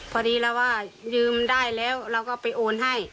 พอดีเราว่ายืมได้แล้วเราก็ไปโอนให้